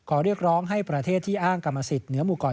เรียกร้องให้ประเทศที่อ้างกรรมสิทธิเหนือหมู่ก่อน